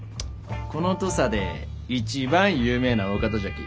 この土佐で一番有名なお方じゃき。